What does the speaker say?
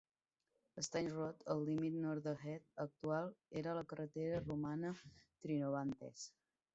Staines Road, el límit nord del Heath actual, era la carretera romana "Trinobantes".